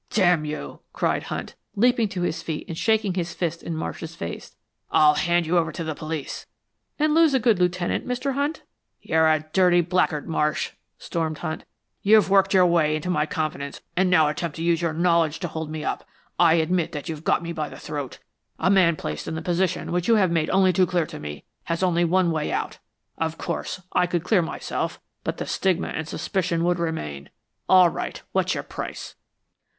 "Damn you!" cried Hunt, leaping to his feet and shaking his fist in Marsh's face. "I'll hand you over to the police." "And lose a good lieutenant, Mr. Hunt?" "You're a dirty blackguard, Marsh," stormed Hunt. "You've worked your way into my confidence and now attempt to use your knowledge to hold me up. I admit that you've got me by the throat. A man placed in the position which you have made only too clear to me has only one way out. Of course, I could clear myself, but the stigma and suspicion would remain. All right, what's your price?"